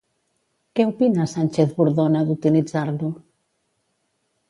Què opina Sánchez-Bordona d'utilitzar-lo?